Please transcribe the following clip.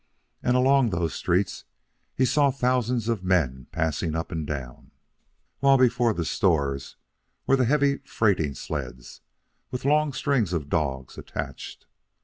And along those streets he saw thousands of men passing up and down, while before the stores were the heavy freighting sleds, with long strings of dogs attached.